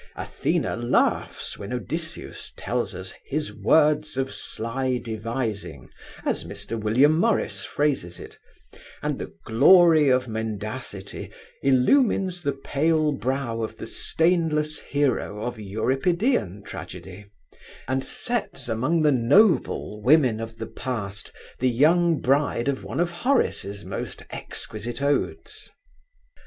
Athena laughs when Odysseus tells her "his words of sly devising," as Mr. William Morris phrases it, and the glory of mendacity illumines the pale brow of the stainless hero of Euripidean tragedy, and sets among the noble women of the past the young bride of one of Horace's most exquisite odes.